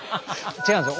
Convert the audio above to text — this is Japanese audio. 違うんすよ。